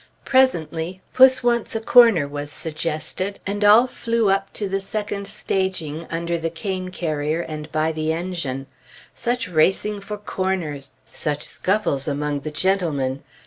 Presently "Puss wants a corner" was suggested, and all flew up to the second staging, under the cane carrier and by the engine. Such racing for corners! Such scuffles among the gentlemen!